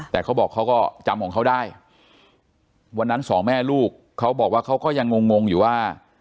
แต่เขาบอกเขาก็จำของเขาได้วันนั้นสองแม่ลูกเขาบอกว่าเขาก็ยังงงงอยู่ว่า